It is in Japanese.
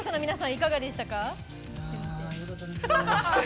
いかがでしたか？